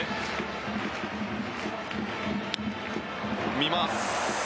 見ます。